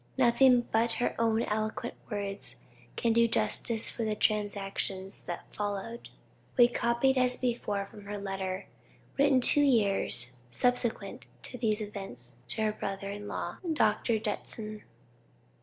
Nothing but her own eloquent words can do justice to the transactions that followed. We copy as before from her letter, written two years subsequent to these events, to her brother in law, Dr. Judson.